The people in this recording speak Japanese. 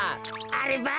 あれば。